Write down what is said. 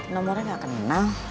nomornya gak kenal